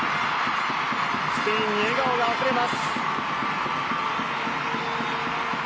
スペインに笑顔があふれます。